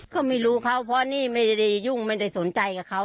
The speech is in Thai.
ก็ไม่รู้เขาเพราะนี่ไม่ได้ยุ่งไม่ได้สนใจกับเขา